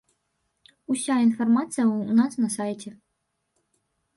Уся інфармацыя ў нас на сайце.